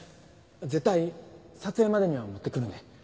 絶対撮影までには持ってくるんで。